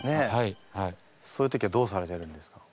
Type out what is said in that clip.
そういう時はどうされてるんですか？